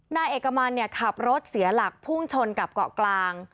นายเอกมันขับรถเสียหลักพุ่งชนกับเกาะกลาง